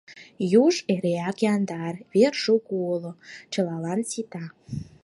Юж эреак яндар, вер шуко уло — чылалан сита.